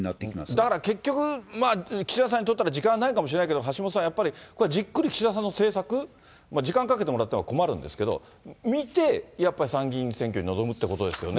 だから結局、岸田さんにとったら、時間ないかもしれないけど、橋下さん、やっぱり、じっくり岸田さんの政策、時間かけてもらっても困るんですけど、見て、やっぱり、参議院選挙に臨むということですよね。